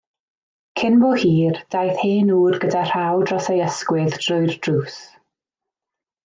Cyn bo hir daeth hen ŵr gyda rhaw dros ei ysgwydd drwy'r drws.